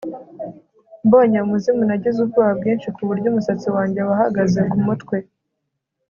Mbonye umuzimu nagize ubwoba bwinshi kuburyo umusatsi wanjye wahagaze kumutwe